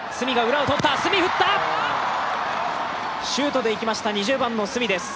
シュートでいきました２０番の角です。